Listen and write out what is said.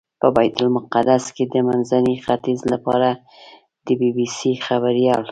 په بیت المقدس کې د منځني ختیځ لپاره د بي بي سي خبریال.